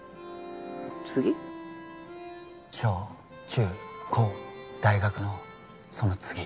小中高大学のその次